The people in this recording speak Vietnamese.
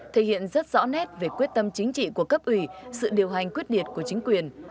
thể hiện rất rõ nét về quyết tâm chính trị của cấp ủy sự điều hành quyết điệt của chính quyền